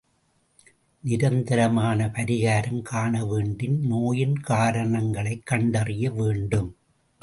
நிரந்தரமான பரிகாரம் காணவேண்டின் நோயின் காரணங்களைக் கண்டறிய வேண்டும்.